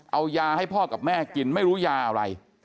เอายาให้พ่อกับแม่กินไม่รู้ยาอะไร